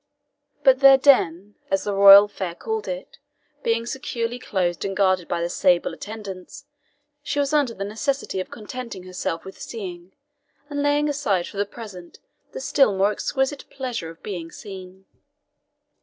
But their den, as the royal fair called it, being securely closed and guarded by their sable attendants, she was under the necessity of contenting herself with seeing, and laying aside for the present the still more exquisite pleasure of being seen.